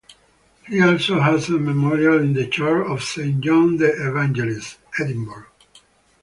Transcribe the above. He also has a memorial in the Church of Saint John the Evangelist, Edinburgh.